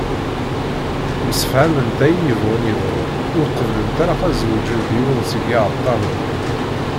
Msefhament ayen yebɣun yeḍru ur qebblent ara ad zewǧent d yiwen seg yiɛeṭṭaren-nni.